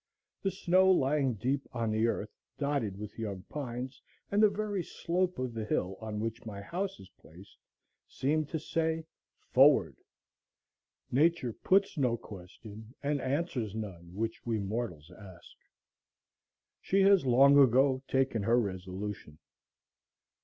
The snow lying deep on the earth dotted with young pines, and the very slope of the hill on which my house is placed, seemed to say, Forward! Nature puts no question and answers none which we mortals ask. She has long ago taken her resolution.